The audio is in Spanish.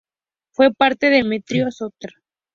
Fue padre de Demetrio I Sóter.